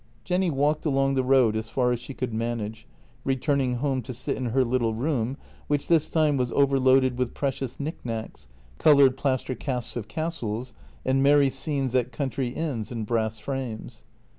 Jenny walked along the road as far as she could manage, returning home to sit in her little room, which this time was overloaded with precious knick knacks, coloured plaster casts of castles, and merry scenes at country inns in brass frames.